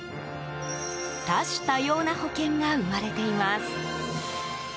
多種多様な保険が生まれています。